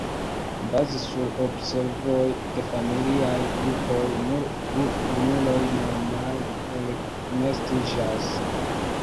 Baze sur observoj de familiaj grupoj, nur du junuloj normale elnestiĝas.